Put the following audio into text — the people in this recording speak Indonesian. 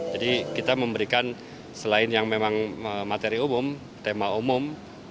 jadi kita memberikan selain yang memang materi umum tema umum